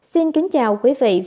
xin kính chào quý vị và hẹn gặp lại